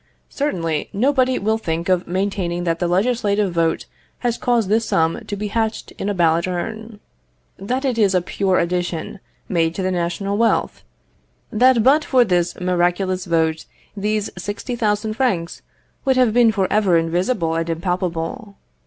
Certainly, nobody will think of maintaining that the legislative vote has caused this sum to be hatched in a ballot urn; that it is a pure addition made to the national wealth; that but for this miraculous vote these 60,000 francs would have been for ever invisible and impalpable.